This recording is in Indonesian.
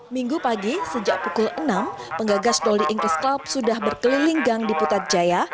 minggu pagi sejak pukul enam penggagas doli english club sudah berkeliling gang di putrajaya